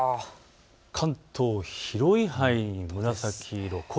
関東、広い範囲で紫色。